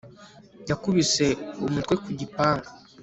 yakubise umutwe ku gipangu